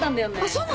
そうなの？